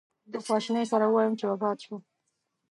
په خواشینۍ سره ووایم چې وفات شو.